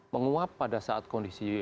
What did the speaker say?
menguap pada saat kondisi